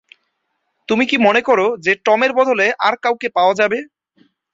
তুমি কি মনে করো যে টমের বদলে আর কাউকে পাওয়া যাবে?